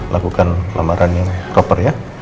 lakukan lamaran yang proper ya